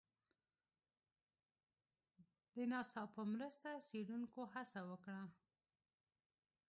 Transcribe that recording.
د ناسا په مرسته څېړنکو هڅه وکړه